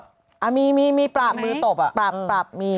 สงสัยว่าทำไมไม่การลงโทษอ่ามีมีมีปรับมือตบอ่ะปรับปรับมี